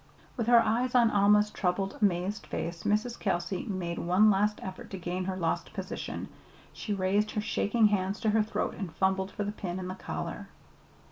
With her eyes on Alma's troubled, amazed face, Mrs. Kelsey made one last effort to gain her lost position. She raised her shaking hands to her throat and fumbled for the pin and the collar.